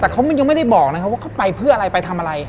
แต่เขายังไม่ได้บอกนะครับว่าเขาไปเพื่ออะไรไปทำอะไร